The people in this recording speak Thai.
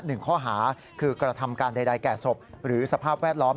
หนึ่งข้อหาคือกระทำการใดแก่ศพหรือสภาพแวดล้อม